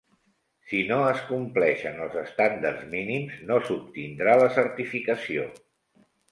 Si no es compleixen els estàndards mínims, no s'obtindrà la certificació.